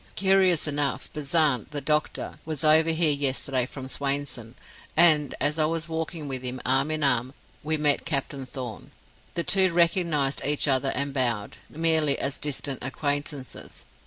Curious enough, Bezant, the doctor, was over here yesterday from Swainson; and as I was walking with him, arm in arm, we met Captain Thorn. The two recognized each other and bowed, merely as distant acquaintances.